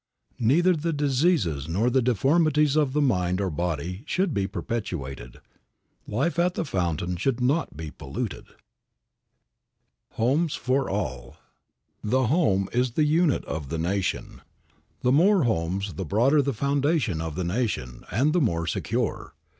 Neither the diseases nor the deformities of the mind or body should be perpetuated. Life at the fountain should not be polluted. V. HOMES FOR ALL. THE home is the unit of the nation. The more homes the broader the foundation of the nation and the more secure.